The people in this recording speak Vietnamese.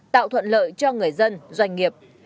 tạo thuận lợi cho người dân doanh nghiệp